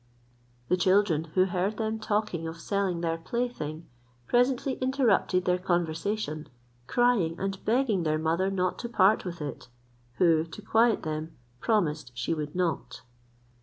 The children, who heard them talking of selling their plaything, presently interrupted their conversation, crying and begging their mother not to part with it, who, to quiet them, promised she would not.